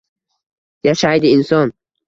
Yashaydi inson